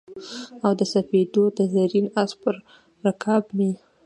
او د سپېدو د زرین آس پر رکاب مې